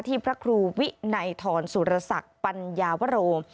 ที่พระครูวิไนทรสุรศักดิ์ปัญญาวโร